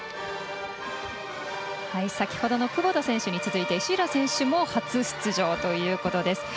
先ほどの窪田選手に続いて石浦選手も初出場ということです。